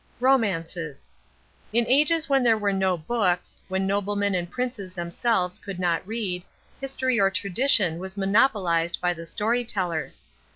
ROMANCES In ages when there were no books, when noblemen and princes themselves could not read, history or tradition was monopolized by the story tellers.